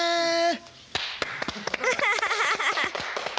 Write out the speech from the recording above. アハハハハ。